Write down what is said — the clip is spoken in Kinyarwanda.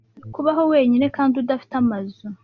kubaho wenyine kandi udafite amazu